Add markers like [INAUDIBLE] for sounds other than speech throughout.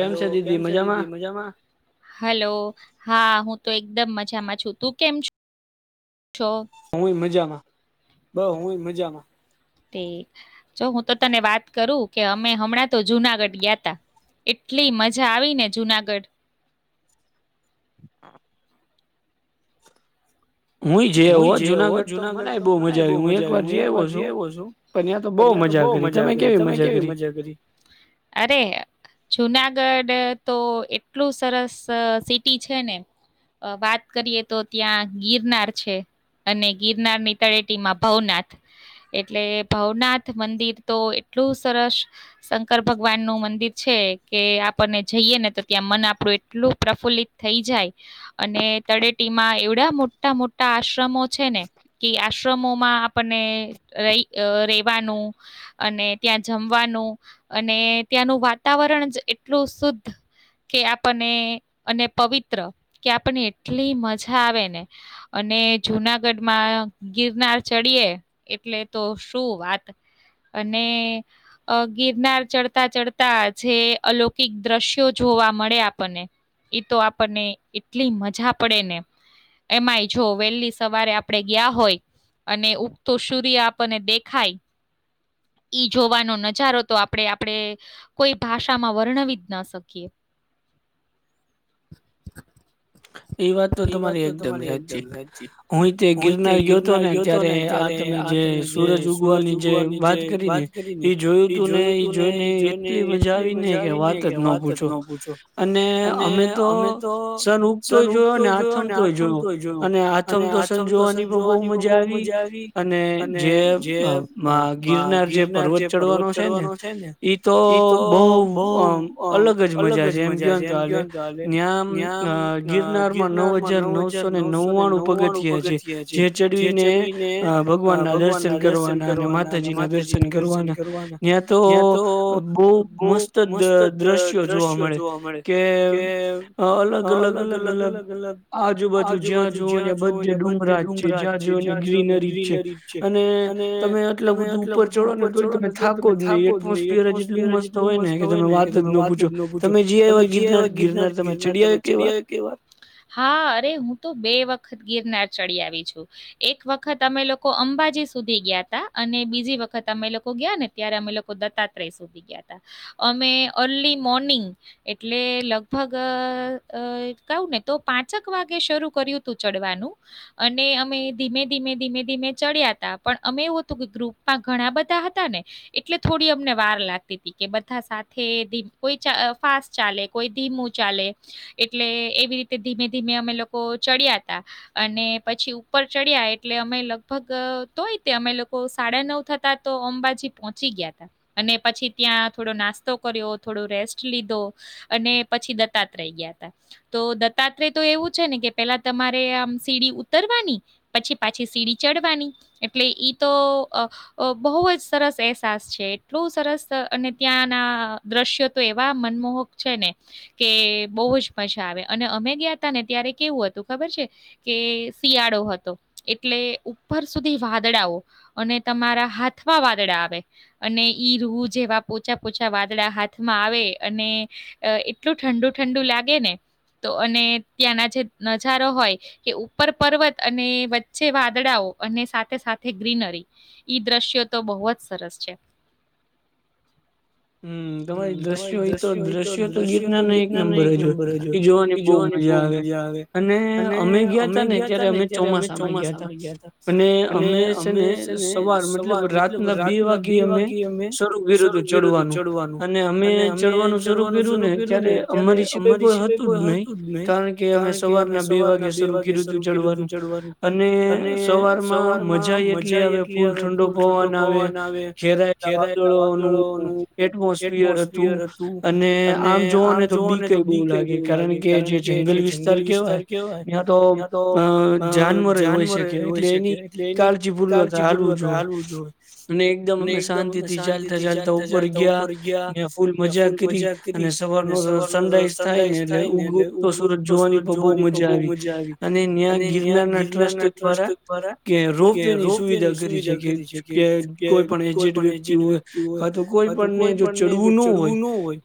Hello કેમ છે દીદી મજામાં. હા હું તો એકદમ મજામાં છું તું કેમ છો? હું ય મજામાં. તે હું તો તને વાત કરું કે અમે હમણાં તો જુનાગઢ ગ્યા તા એટલી મજા આવી ને જુનાગઢ. [INAUDIBLE] અરે જુના ગઢ તો એટલું સરસ સિટી છે ને વાત કરીએ તો ત્યાં ગિરનાર. છે અને ગિરનારની તળેટીમાં ભવનાથ એટલે ભવનાથ મંદિર તો એટલું સરસ શંકર ભગવાન નું મંદિર છે કે આપણને જઈએ ને તો ત્યાં મન આપણું એટલું પ્રફુલ્લિત થઈ જાય અને તળેટીમાં એવડા મોટા મોટા. આશ્રમો છે ને કે આશ્રમોમાં આપણને રઈ રેવાનું અને ત્યાં જમવાનું અને ત્યાંનું વાતાવરણ જ એટલું શુદ્ધ કે આપને અને પવિત્ર કે આપણને એટલી મજા આવે ને. અને જુનાગઢમાં ગિરનાર ચડીએ એટલે તો શું વાત અને અ ગિરનાર ચડતા ચડતા જે અલૌકિક દ્રશ્યો જોવા મળે આપણને એ તો આપણને એટલી મજા પડે ને એમાંય જો વહેલી સવારે આપણે ગયા હોય અને ઉગતો સૂર્ય આપણને દેખાય ઈ જોવાનો નજારો તો આપણે આપણે કોઈ ભાષામાં વર્ણવી જ ના શકીએ. હ. એ વાત તો તમારી એકદમ સાચી હું તે ગિરનાર ગ્યોતો ને ત્યારે આ તમે જે સુૂરજ ઉગવાની જે વાત કરી ને એ જોયું તું ને એ જોઈને એટલી મજા આવી ને કે વાત જ ન પૂછો અને અમે તો સરૂ તોય જોયો ને આથમ તોય જોયો અને આથમ તો સન જોવાની પણ બહુ મજા આવી અને અ જે ગિરનાર જે પર્વત ચડવાનો છે ને ઇ તો બહુ અ અલગ જ મજા છે એમ કયો ને તો હાલે ત્યા [UNINTELLIGIBLE] માં નવ હજાર નવસો ને નવ્વાણું પગથિયા છે જે ચડવીને ભગવાન ના દર્શન કરવાના અને માતાજી ના દર્શન કરવાના ત્યાં તો બહુ મસ્ત દ દ્રશ્યો જોવા મળે કે અલગ અલગ અલગ. આજુબાજુ જ્યાં જુઓ ન્યા બધે ડુંગરા જ છે જ્યાં જુઓ ને ગ્રીનરી જ છે અને તમે આટલા બધું ઉપર ચડો ને તોય તમે થાકો જ નહી એટમોસફિયર જ એટલું મસ્ત હોય ને કે તમે વાત જ ન પૂછો તમે જ્ઇ આયવા ગિરનાર ગિરનાર તમે ચડી આયવા એકે વાર. હા અરે હું તો બે વખત ગિરનાર ચડી આવી છું એક વખત અમે લોકો અંબાજી સુધી ગ્યા તા અને બીજી વખત અમે લોકો ગયા ને ત્યારે અમે લોકો દત્તાત્રેય સુધી ગ્યા તા અમે અર્લી મોર્નિંગ એટલે લગભગ અ કઉું ને તો પાંચક વાગે શરૂ કર્યું હતું ચડવાનું અને અમે ધીમે ધીમે ધીમે ધીમે ચડ્યા હતા પણ અમે એવું હતું કે ગ્રુપમાં ઘણા બધા હતા ને એટલે થોડી અમને વાર લાગતી તી કે બધા સાથે કોઈ ફાસ્ટ ચાલે કોઈ ધીમું ચાલે એટલે એવી રીતે ધીમે ધીમે અમે લોકો ચડ્યા તા અને પછી ઉપર ચડ્યા એટલે અમે લગભગ તોય તે અમે લોકો સાડા નવ થતા તો અંબાજી પહોંચી ગ્યા તા અને પછી ત્યાં થોડો નાસ્તો કર્યો થોડો રેસ્ટ લીધો અને પછી દત્તાત્રહી ગ્યા તા. તો દત્તાત્રેય તો એવું છે ને કે પેલા તમારે આમ સીડી ઉતરવાની પછી પાછી સીડી ચડવાની એટલે ઈ તો બહુ જ સરસ અહેસાસ છે એટલું સરસ અને ત્યાંના દ્રશ્યો તો એવા મનમોહક છે ને કે બહુ જ [INAUDIBLE] આવે અને અમે ગ્યા તા ને ત્યારે કેવું હતું ખબર છે કે શિયાળો હતો એટલે ઉપર સુધી વાદળાઓ અને તમારા હાથમાં વાદળા આવે અને ઈ રું જેવા પોચા પોચા વાદળા હાથમાં આવે અને એટલું ઠંડુ ઠંડુ લાગે ને તો અને ત્યાંના જે નજારો હોય કે ઉપર પર્વત અને વચ્ચે વાદળાઓ અને સાથે સાથે ગ્રીનરી ઈ દ્રશ્યો તો બહુ જ સરસ છે. હમ તમારી દ્રશ્યો એય તો દ્રશ્યો તો ગીતનારના એક નંબર જ હોય. જોવાની બહુ મજા આવે અને અમે ગ્યા તા ને ત્યારે અમે ચોમાસા માં ગ્યા તા અને અમે છે ને સવાર મતલબ રાતના બે વાગ્યે અમે શરૂ કર્યુ તુ. ચડવાનું અને અમે ચડવાનું શરૂ કર્યું ને ત્યારે અમારી સિવાય કોઈ હ જ નહી કારણ કે અમે સવારના બે વાગે શરૂ કર્યું તું ચડવાનું અને સવારમાં મજા એટલી આવે ફૂલ ઠંડો પવાન આવે ઘેરાયેલા વાદળોનું એટમોસફિયર હતું અને આમ જોવો ને તો બીક ઈ બહ લાગે કારણ કે જે જંગલ વિસ્તાર કેવાય ત્યા તો અ [UNINTELLIGIBLE] શકે એટલે એની કાળજી ભૂલલોતા હાલવું જ હોઈય અને એકદમ અમે શાંતિથી ચાલતા ચાલતા ગયા ને ફૂલ મજા કરી અને સવાર ન સનરાઈઝ થાય ને એટલે ઉગ તો સુરત જોવાની પણ બહુ મજા આવી અને ત્યાં ગિરનાર ના ટ્રસ્ટ દ્વારા કે રોપ વે ની સુવિધા કરી છે કે કોઈ પણ એજડ વ્યક્તિ હોય કા તો જો ચડવું ન હોય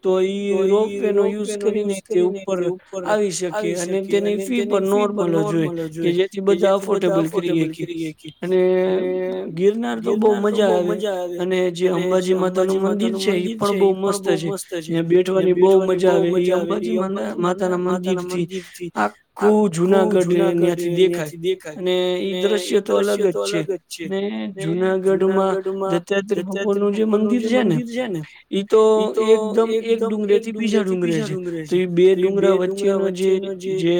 તો રોપ વે ન ય કરીને તે ઉપર આવી શકે અને તેની ફી પણ નોર્મલ જ હોય કે જેથી બધા અફોર્ડેબલ કરી શકી અને ગિરનાર તો બહુ મજા આવે અને જે અંબાજીમાં નું મંદિર છે એ પણ બહુ મસ્ત છે જ્યાં બેઠવાની બહુ મજા આવે એ અંબાજી માતા ના મંદિર થી આખું જુનાગઢ ત્યાંથી દેખાય અને ઈ દ્રશ્ય તો અલગ જ છે ને જુનાગઢ માં દત્તાત્રય ભગવાન નું જે મંદિર ને ઈ તો એકદમ એક ડુંગરે થી બીજા ડુંગરે ડું છે તો એ બે ડુંગરા વચ્ચેનો જે જે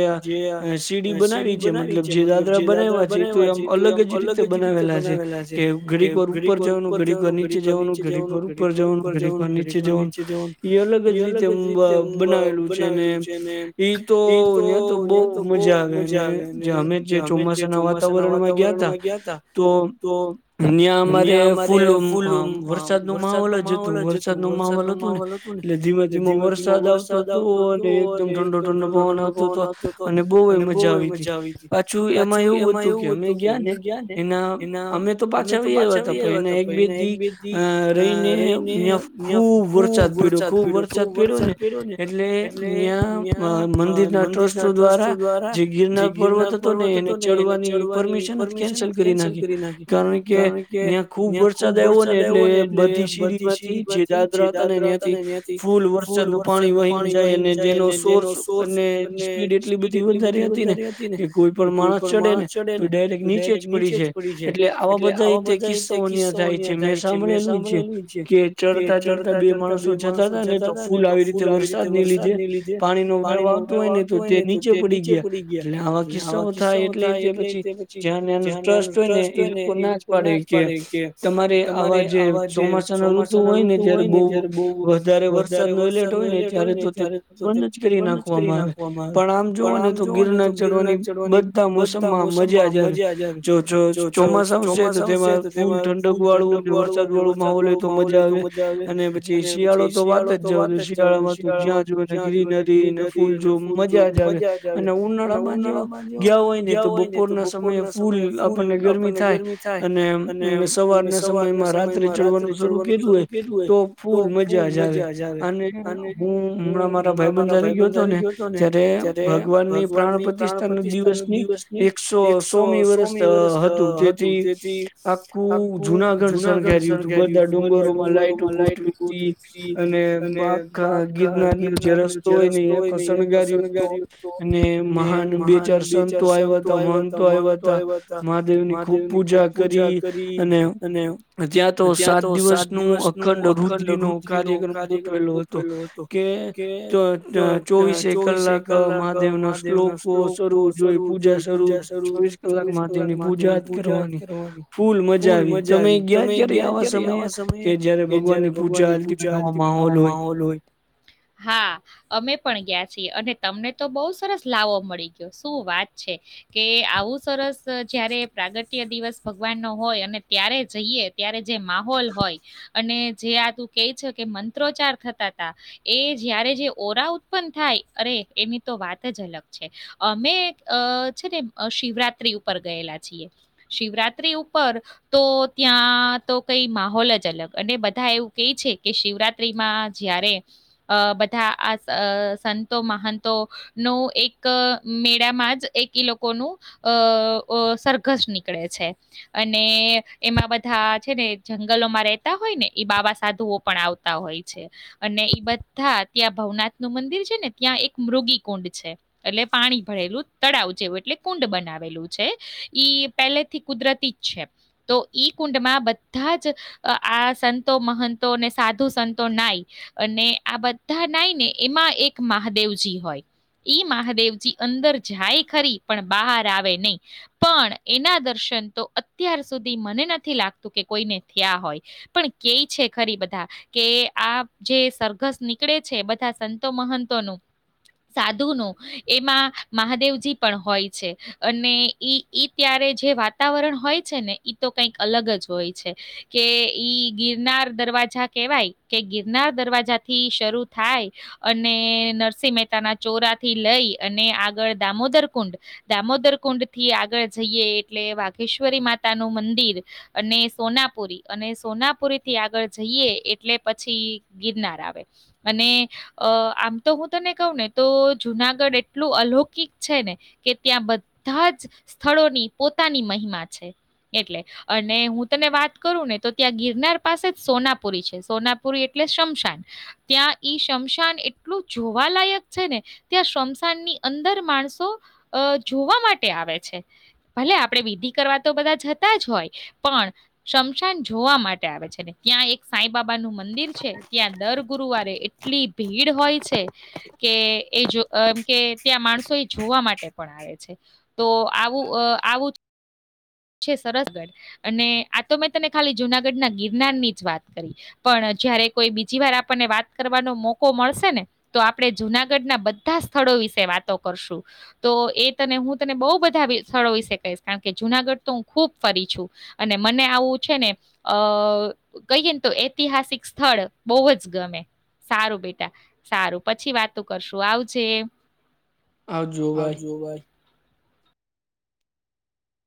સીડી બનાવી છે મતલબ જે દાદરા બનાવ છે એ તો આમ અલગ જ રીતે બનાવેલા છે કે ઘડીક વાર ઉપર જવાનું ઘડીક વાર નીચે જવાનું ઘડીર ઘર ઉપર જવાનું ઘડીર નીચે જવાનું એ અલગ જ રીતે બનાવેલું છે ને એઈ તો ત્યાં તો બહુ મજા આવે ને જે અમે જે ચોમાસાના વાતાવરણમાં ગયા તા તો ત્યાં અમારે ફૂલ વ વરસાદ નો માહોલ જ હતો વરસાદ નો માહોલ હતોું ને [UNINTELLIGIBLE] ધીમે ધીમા વરસા વરસાદ આવતો હતો અને એકદમ ઠંડો ઠંડો પવન આવતો હતો અને બહુ એ મજા આવી હતી પાછું એમાં એવું હતું કે અમે ગયા ને એના અમે તો પાછા આવી આવ્યા હતા પણ એના એક બે દ અ રહીને તં ખુબ વરસાદ પીડ્યો ખુબ વરસાદ પીડ્યો એટલે ત્યા મંદિર ના ટ્રસ્ટ દ્વારા જે ગિરનાર પર્વત હતો ને એને ચડવાની પરમિશન જ કેન્સલ કરી નાખી કારણ કે ત્યાં ખુબ વરસાદ આવ્યોને એટલે બધી સીરી માંથી જે દાદરા હતા ને ત્યાથી ફૂલ વર વરસાદ નું પાણી વહી જાય અને જેનો સોર્સ અને સ્પીડ એટલી બધી વધારે હતી ને કે કોઈ પણ માણસ ચડે ને તો ડાયરેક્ટ નીચે જ પડી જાય એટલે આવા બધા કિસ્સાઓં થાય છે.. સાંભળેલું છે કે ચડતા ચડતા બે માણસો જતા હતા ને તો ફૂલ આવી રીતે વરસાદ ની લીધે પાણી નો વેવ આવતો હોય ને તો તે નીચે પડી ગયા એટલે આવા કિસ્સાઓ થાય એટલે તે પછી જ્યાનું ટ્રસ્ટ હોય ને એ લોકો નાશ પાડે કે તમારે. આવા જે ચોમાસા ના ઋતુ હોય ને જયારે બહુ વધારે વ. વરસાદ ન એલર્ટ હોય ને ત્યારે તો તે બંધ જ કરી નાખવામાં આવે પણ આમ જોવો ને તો ગિરનાર ચડવાની બધા મોસમમાં મજા જ આવે જો ચોમાસાઓ છે તો તેમાં ફૂલ ઠંડક વાળું. વરસાદ વાળો માહોલ હોય તો મજા આવે અને પછી શિયાળો તો... વાત જાવ તો શિયાળામાં ત જ્યાં જ ગ્રીનરીને ફૂલ જો મજા જ આવે અને ઉનાળામાં જો ગયા હોય ને તો બપોર ના સમયે ફૂલ આપણને ગરમી થાય અને સવારને... સમયમાં રાત્રે ચડવાનું શરૂ કર્યું હોય તો ફૂલ મજા જ આવે. અને હું હમણાં મારા ભાઈબન જારે ગયો હતો ને તય્યારે ભગવાન ની પ્રાણ પ્રતિષ્ઠા દિવસની એકસો સોમી વર્ષ હતું તેથી આખું... જુનાગઢ સરગાર્યું તું બધા ડુંગરો માં લાાઈટો ગોઠવી હતી. અને બાકા ગિરનાર નો જે રસ્તો હોય ને એ ખસણગાર્યો હતો અને મહાન બે ચાર સંતો આવ્યા હતા મહંતો આવ્યા હતા મહાદેવ ની ખુબ પૂજા કરી અને. ત્યાં તો સાત દિવસ નું અખંડ રુદિવીનો કાર્ય્રમ. ગોઠવેલો હતો કે ચોવીસે કલાક મહાદેવ ના શ્લોકો શવ જોઈ પૂજા શરૂ જોઈ ચોવીસ કલાક મહાદેવ ની પૂજા કરવાની ફૂલ મજા આવી. તમે ગયા ક્યારે આવા સમયે કે જયારે ભગવાન ની પૂજા હાલતી હા અમે પણ ગયા છીએ અને. તમને તો બહુ સરસ લાવો મળી ગયો શું વાત છે કે આવું સરસ જયારે પ્રાગટ્ય દિવસ ભગવાન નો હોય અને ત્યારે જઈએ ત્યારે જે માહોલ હોય અને જે આ તું કેહે છે કે મ ત્રોચાર થતા ત એ જારે જે ઓરા ઉત્પન્ન થાય અરે એની તો વાત જ અલગ છે અમે છે ને શિવરાત્રી ઉપર ગયેલા છીએ શિવરાત્રી ઉપર તો ત્યાં તો કઈ માહોલ જ અલગ અને બધા એવું કહી છે કે શિવરાત. માં જારે અ બધા આ સંતો મહંતો નું એક મેળામાં જ એક લોકો નું અ સરઘસ નીકળે છે અને એમાં બધા છે ને જંગલોમાં રહેતા હોય ને એ બાવા સાધુઓ પણ આવતા. હોય છે અને એ બધા ત્યાં ભવનાથ નું મંદિર છે ને ત્યાં એક મૃગી કુંડ છે. એટલે પાણી ભરેલું. તળાવ જેવું એટલે કુંડ બનાવેલું છે ઈ પહેલે થી કુદરતી જ છે તો ઈ કુંડ માં બધા જ આ સંતો મહંતોને સાધુ. સંતો નાઈ અને આ બધા નાઈ ને એમાં એક મહાદેવજી હોય ઈ મહાદેવજી અંદર જાય ખરી પણ બહાર આવે નહી પણ એના દર્શન તો અત્યાર સુધી મને નથી લાગતું કે કોઈને થયા હોય પણ કેય છે ખરી બધા. કે આ જે સરઘસ નીકળે છે બધા સંતો મહંતોનું સાધુ ન એમાં મહાદેવજી પણ હોય છે અને ઈ ઈ ત્યારે જે વાતાવરણ હોય છે ને ઈ તો કઈક અલગ જ હોય છે કે ઈ ગિરનાર દરવાજા. કેવાય કે ગિરનાર દરવાજા થી શરૂ થાય અને નરસિંહ મહેતા ના ચોરા થી લઈ અને આગળ દામોદર કુંડ દામોદર કુંડ થી આગળ જઈએ એટલે વાઘેશ્વરી માતા નું મંદિર અને સોનાપુરી અને સોનાપુરી થી આગળ જઈએ. એટલે પછી ગિરનાર આવે અને આમ તો હું તને કહ ને તો જુનાગઢ એટલું અલૌકિક છે ને કે ત્યાં બધા જ સ્થળોની પોતાની મહિમા છે એટલે અને હું તને વાત કરું ને તો ત્યાં ગિરનાર પાસે જ સોના. સોનાપુરી એટલે શમશાન ત્યાં ઈ શમશાન એટલું જોવાલાયક છે ને ત્યાં શમશાન ની અંદર માણસો અ જોવા માટે આવે છે ભલે આપડે વિધિ કરવા તો બધા જતા જ હોય પણ શમશાન જોવા માટે આવે છે ને ત્યાં એક. સાંઈ બાબાનું મંદિર છે ત્યાં દર ગુરુવારે એટલી ભીડ હોય છે કે એ જોમ કે ત્યાં માણસો એ જોવા માટે પણ આવે છે તો આવું આવું. છે સરસગઢ અને આ તો મેં તને ખાલી જુનાગઢ ના ગિરનાર ની જ વાત કરી પણ જયારે કોઈ બીજી વાર આપણને વાત કરવાનો મોકો મળશે ને તો આપણે જુનાગઢ ના બધા સ્થળો વિશે વાતો કરશું તો એ તને હું તને બહુ બધા સ્થળો વિશે કહીશ કારણ કે જુનાગઢ. તો હું ખુબ ફરી છું અને મને આવું છે ને અ કહીએ ને તો ઐતિહાસિક સ્થળ બહુ જ ગમે સારું બેટા સારું પછી વાતો કરશું આવજે. આ જુઓ ભાઈ.